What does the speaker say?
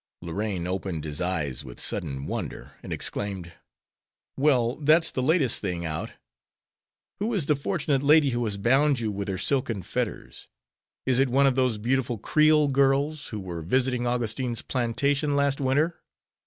Lorraine opened his eyes with sudden wonder, and exclaimed: "Well, that's the latest thing out! Who is the fortunate lady who has bound you with her silken fetters? Is it one of those beautiful Creole girls who were visiting Augustine's plantation last winter?